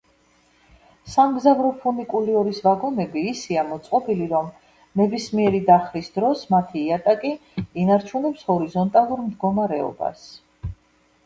სამგზავრო ფუნიკულიორის ვაგონები ისეა მოწყობილი, რომ ნებისმიერი დახრის დროს მათი იატაკი ინარჩუნებს ჰორიზონტალურ მდგომარეობას.